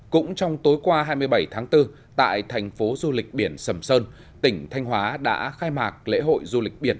cũng trong tối qua hai mươi bảy tháng bốn tại thành phố du lịch biển sầm sơn tỉnh thanh hóa đã khai mạc lễ hội du lịch biển